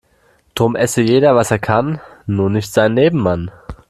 Drum esse jeder was er kann, nur nicht seinen Nebenmann.